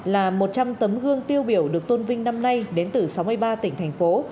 là một trăm linh tấm gương tiêu biểu được tôn vinh năm nay đến từ sáu mươi ba tỉnh thành phố